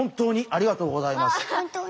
ありがとうございます。